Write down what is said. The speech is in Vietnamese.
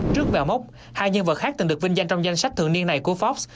trước mèo móc hai nhân vật khác từng được vinh danh trong danh sách thượng niên này của forbes